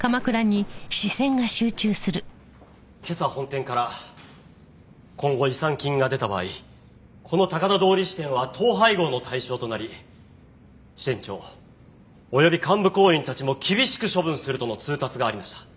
今朝本店から今後違算金が出た場合この高田通り支店は統廃合の対象となり支店長及び幹部行員たちも厳しく処分するとの通達がありました。